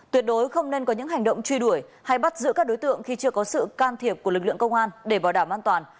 tuyệt đối không nên có những hành động truy đuổi hay bắt giữ các đối tượng khi chưa có sự can thiệp của lực lượng công an để bảo đảm an toàn